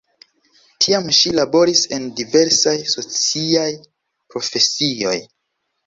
Tiam ŝi laboris en diversaj sociaj profesioj.